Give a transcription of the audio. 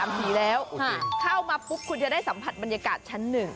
มาตักแกลกแลกใจ